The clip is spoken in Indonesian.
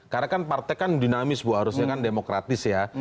karena kan partai kan dinamis bu harusnya kan demokratis ya